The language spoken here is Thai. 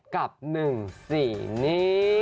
๓๒๘กับ๑๔นี่